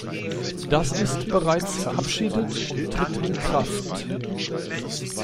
Das ist bereits verabschiedet und tritt in Kraft.